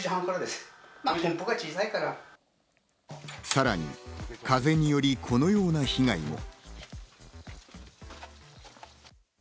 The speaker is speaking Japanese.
さらに風によりこのような被害も。